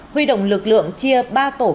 huy động lực lượng chia ba tổ cơ